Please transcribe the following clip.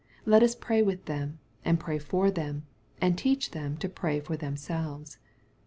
Let us pray with them, and pray for them, and teach them to pray for themselves.